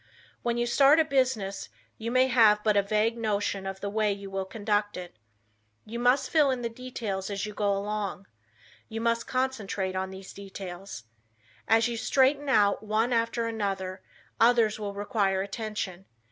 When you start a business you may have but a vague notion of the way you will conduct it. You must fill in the details as you go along. You must concentrate on these details. As you straighten out one after another, others will require attention.